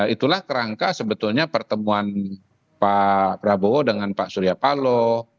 itulah kerangka sebetulnya pertemuan pak prabowo dengan pak surya paloh